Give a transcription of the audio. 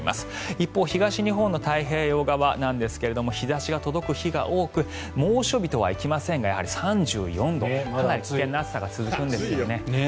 一方、東日本の太平洋側ですが日差しが届く日が多く猛暑日とはいきませんが３４度かなり危険な暑さが続くんですよね。